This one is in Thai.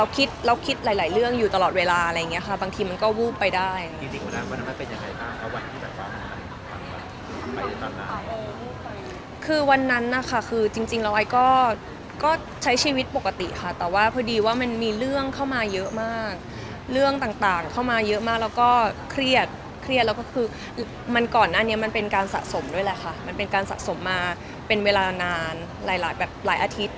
คิดแล้วคิดหลายหลายเรื่องอยู่ตลอดเวลาอะไรอย่างนี้ค่ะบางทีมันก็วูบไปได้จริงวันนั้นมันเป็นยังไงบ้างคือวันนั้นนะคะคือจริงแล้วไอก็ใช้ชีวิตปกติค่ะแต่ว่าพอดีว่ามันมีเรื่องเข้ามาเยอะมากเรื่องต่างเข้ามาเยอะมากแล้วก็เครียดเครียดแล้วก็คือมันก่อนหน้านี้มันเป็นการสะสมด้วยแหละค่ะมันเป็นการสะสมมาเป็นเวลานานหลายหลายแบบหลายอาทิตย์